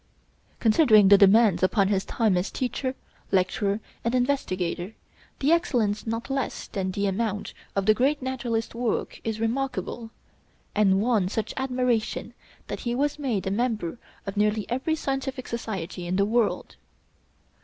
Considering the demands upon his time as teacher, lecturer, and investigator, the excellence not less than the amount of the great naturalist's work is remarkable, and won such admiration that he was made a member of nearly every scientific society in the world.